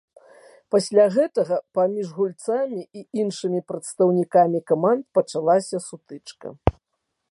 Пасля гэтага паміж гульцамі і іншымі прадстаўнікамі каманд пачалася сутычка.